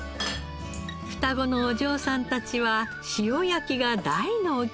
双子のお嬢さんたちは塩焼きが大のお気に入り。